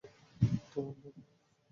তোমার love life.